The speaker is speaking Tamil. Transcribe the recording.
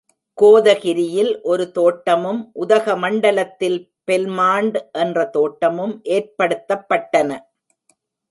கோதகிரியில் ஒரு தோட்டமும், உதக மண்டலத்தில் பெல்மாண்ட் என்ற தோட்டமும் ஏற்படுத்தப்பட்டன.